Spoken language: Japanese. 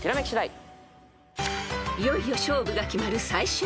［いよいよ勝負が決まる最終ステージ］